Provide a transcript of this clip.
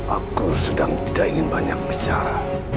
aku sedang tidak ingin banyak bicara